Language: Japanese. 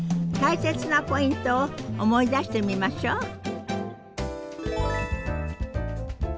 大切なポイントを思い出してみましょう。